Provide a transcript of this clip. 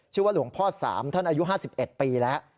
ชื่อว่าหลวงพ่อ๓ท่านอายุ๕๑ปีแล้ว